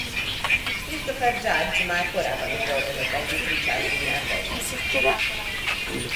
Christopher Judge már korábban is dolgozott együtt Richard Dean Andersonnal.